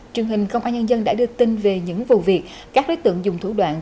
truyền hình công an nhân dân đã đưa tin về những vụ việc các đối tượng dùng thủ đoạn